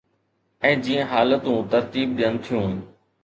۽ جيئن حالتون ترتيب ڏين ٿيون.